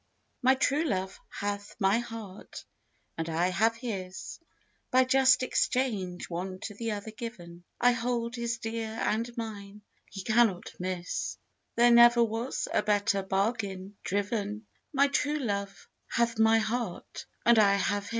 My true love hath my heart, and I have his, By just exchange one to the other given: I hold his dear, and mine he cannot miss, There never was a better bargain driven: My true love hath my heart, and I have his.